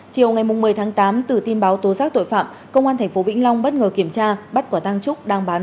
chiều ngày một mươi tháng tám từ tin báo tố xác tội phạm công an thành phố vĩnh long bất ngờ kiểm tra bắt quả tang trúc đang bán số